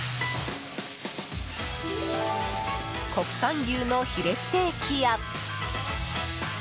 国産牛のヒレステーキや。